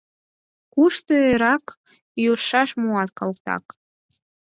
— Кушто эреак йӱаш муат, калтак?